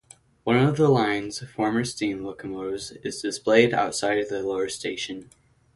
One of the line's former steam locomotives is displayed outside the lower station.